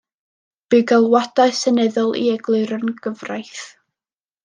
Bu galwadau seneddol i egluro'r gyfraith.